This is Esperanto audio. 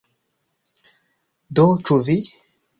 Do, ĉu vi?